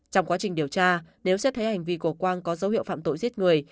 trong quá trình điều tra nếu xét thấy hành vi của quang có dấu hiệu phạm tội giết người